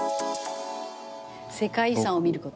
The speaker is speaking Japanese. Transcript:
世界遺産を見ること。